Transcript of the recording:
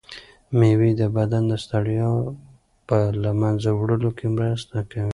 مېوې د بدن د ستړیا په له منځه وړلو کې مرسته کوي.